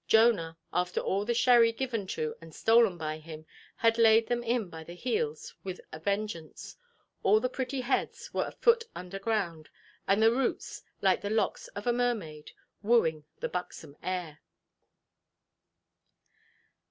Jonah, after all the sherry given to and stolen by him, had laid them in by the heels with a vengeance. All the pretty heads were a foot under ground, and the roots, like the locks of a mermaid, wooing the buxom air.